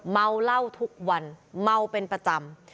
เมาเหล้าทุกวันเมาเป็นประจำ